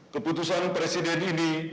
keputusan presiden ini